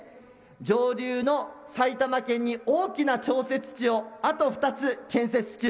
上流の埼玉県に大きな調節池をあと２つ建設中。